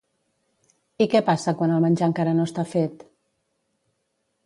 I què passa quan el menjar encara no està fet?